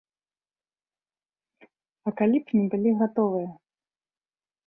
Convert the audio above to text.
А калі б не былі гатовыя?